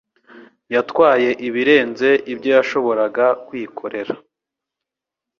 Yatwaye ibirenze ibyo yashoboraga kwikorera.